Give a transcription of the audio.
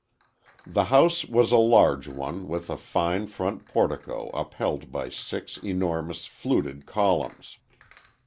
The house was a large one, with a fine front portico upheld by six enormous fluted columns.